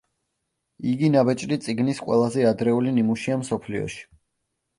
იგი ნაბეჭდი წიგნის ყველაზე ადრეული ნიმუშია მსოფლიოში.